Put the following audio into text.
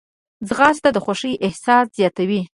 ځغاسته د خوښۍ احساس زیاتوي